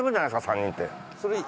３人って。